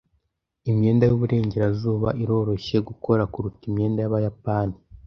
Imyenda yuburengerazuba iroroshye gukora kuruta imyenda yabayapani.